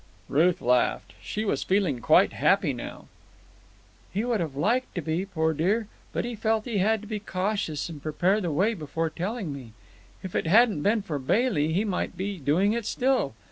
Ruth laughed. She was feeling quite happy now. "He would have liked to be, poor dear, but he felt he had to be cautious and prepare the way before telling me. If it hadn't been for Bailey, he might be doing it still.